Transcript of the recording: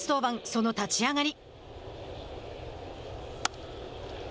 その立ち上がり。